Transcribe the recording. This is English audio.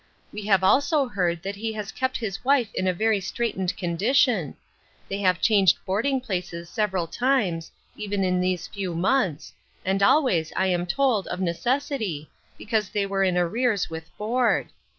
We have also heard that he has kept his wife in a very straightened condition. They have changed boarding places several times, even in these few months, and always, I am told, of necessity, because they were in arrears with board.